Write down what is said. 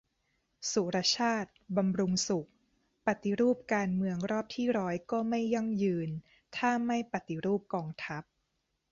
สุรชาติ บำรุงสุข : ปฏิรูปการเมืองรอบที่ร้อยก็ไม่ยั่งยืน ถ้าไม่ปฏิรูปกองทัพ